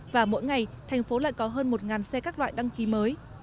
và mỗi ngày thành phố lại có hơn một xe các loại đăng ký mới